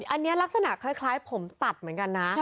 อันนี้ลักษณะคล้ายผมตัดเหมือนกันนะ